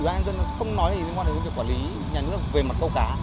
ủy ban nhân dân không nói gì liên quan đến việc quản lý nhà nước về mặt câu cá